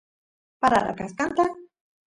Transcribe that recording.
parara kaskanta